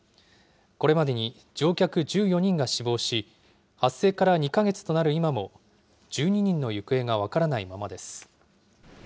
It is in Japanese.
これまでに乗客１４人が死亡し、発生から２か月となる今も、１２人の行方が分からないままです。